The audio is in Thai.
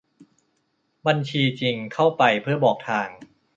บัญชีจริง เข้าไป เพื่อบอกทาง